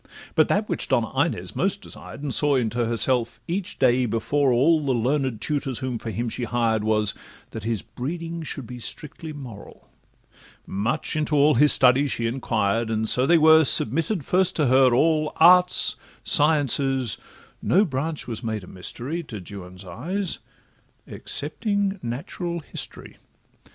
But that which Donna Inez most desired, And saw into herself each day before all The learned tutors whom for him she hired, Was, that his breeding should be strictly moral; Much into all his studies she inquired, And so they were submitted first to her, all, Arts, sciences, no branch was made a mystery To Juan's eyes, excepting natural history.